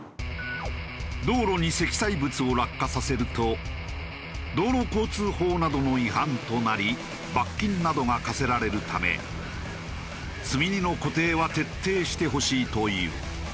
道路に積載物を落下させると道路交通法などの違反となり罰金などが科せられるため積み荷の固定は徹底してほしいという。